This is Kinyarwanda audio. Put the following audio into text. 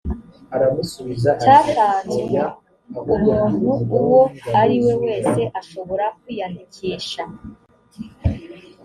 cyatanzwe umuntu uwo ariwe wese ashobora kwiyandikisha